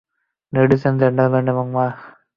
Ladies and gentleman এবং মা!